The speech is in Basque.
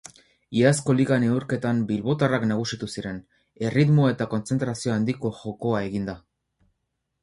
Iazko liga neurketan bilbotarrak nagusitu ziren, erritmo eta kontzentrazio handiko jokoa eginda.